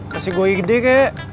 kasih gue ide kek